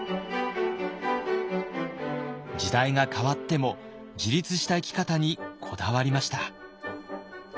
時代が変わっても自立した生き方にこだわりました。